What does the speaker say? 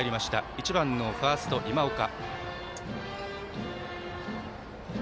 １番のファースト、今岡。